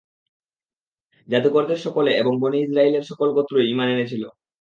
জাদুকরদের সকলে এবং বনী ইসরাঈলদের সকল গোত্রই ঈমান এনেছিল।